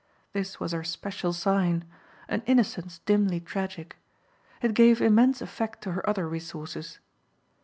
This was her special sign an innocence dimly tragic. It gave immense effect to her other resources.